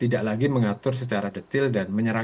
tidak lagi mengatur secara detil dan mencari